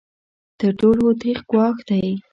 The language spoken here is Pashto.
تر ټولو تریخ ګواښ دی.